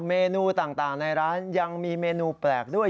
เมนูต่างในร้านยังมีเมนูแปลกด้วย